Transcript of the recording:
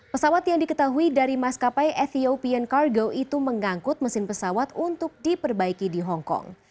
pesawat yang diketahui dari maskapai ethiopian cargo itu mengangkut mesin pesawat untuk diperbaiki di hongkong